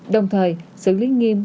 đồng thời xử lý nghiêm